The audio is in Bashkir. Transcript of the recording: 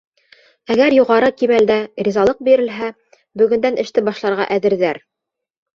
Әгәр юғары кимәлдә ризалыҡ бирелһә, бөгөндән эште башларға әҙерҙәр.